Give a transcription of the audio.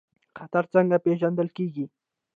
خطر څنګه پیژندل کیږي؟